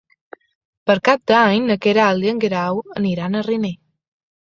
Per Cap d'Any na Queralt i en Guerau aniran a Riner.